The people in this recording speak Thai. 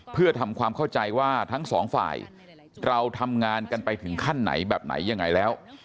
เพื่อทำความเข้าใจว่าทั้งสองฝ่ายเราทำงานกันไปถึงขั้นไหนแบบไหนยังไงแล้ว